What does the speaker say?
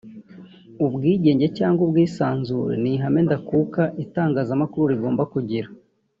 Ubwigenge cyangwa ubwisanzure ni ihame ndakuka Itangazamakuru rigomba kugira